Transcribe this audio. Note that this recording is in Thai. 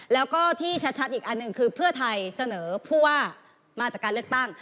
แล้วก็ที่ชัดอีกอันหนึ่งคือเพื่อไทยเสนอผู้ว่ามาจากการเลือกตั้ง